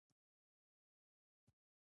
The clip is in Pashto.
مرکه کېدونکي ته باید بدل ورکړل شي.